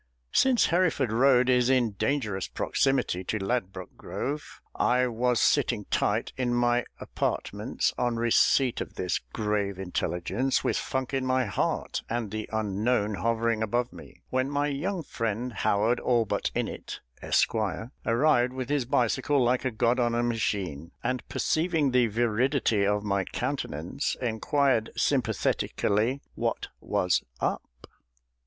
Since Hereford Road is in dangerous proximity to Ladbroke Grove, I was sitting tight in my apartments on receipt of this grave intelligence, with funk in my heart, and the Unknown hovering above me, when my young friend HOWARD ALLBUTT INNETT, Esq., arrived with his bicycle, like a god on a machine, and perceiving the viridity of my countenance, inquired sympathetically what was up.